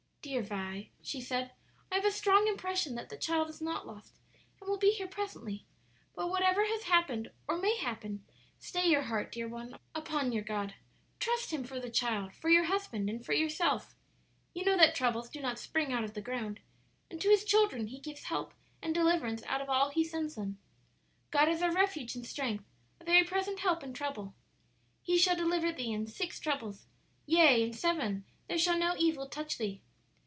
"Dear Vi," she said, "I have a strong impression that the child is not lost, and will be here presently. But whatever has happened, or may happen, stay your heart, dear one, upon your God; trust Him for the child, for your husband, and for yourself. You know that troubles do not spring out of the ground, and to His children He gives help and deliverance out of all He sends them. "'God is our refuge and strength, a very present help in trouble.' 'He shall deliver thee in six troubles: yea in seven there shall no evil touch thee.'"